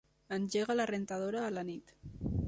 Engega la rentadora a la nit.